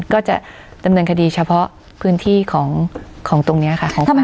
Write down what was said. ก็จะดำเนินคดีเฉพาะพื้นที่ของตรงนี้ค่ะ